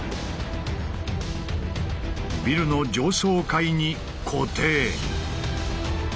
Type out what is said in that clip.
ビルの上層階に固定。